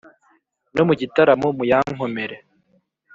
No mu gitaramo muyankomere